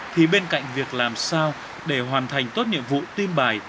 thì bên cạnh việc làm sao để hoàn thành tốt nhiệm vụ tin bài